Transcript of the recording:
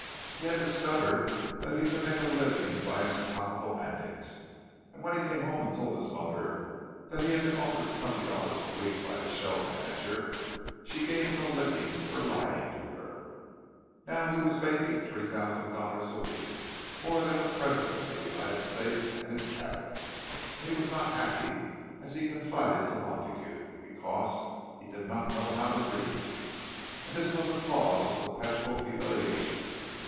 He had discovered that he could make a living by his comical antics; but when he came home and told his mother that he had been offered twenty dollars a week by a show manager, she gave him a licking for lying to her. Now he was making three thousand dollars a week—more than the President of the United States and his Cabinet; but he was not happy, as he confided to Montague, because he did not know how to read, and this was a cause of perpetual humiliation.